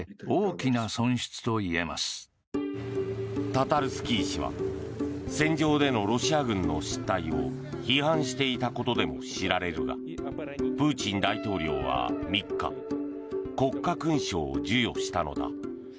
タタルスキー氏は戦場でのロシア軍の失態を批判していたことでも知られるがプーチン大統領は３日国家勲章を授与したのだ。